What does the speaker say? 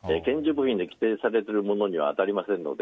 禁止されているものには当たりませんので。